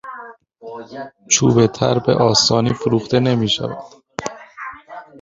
چوبتر به آسانی افروخته نمیشود.